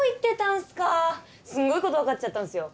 すごい事わかっちゃったんすよ。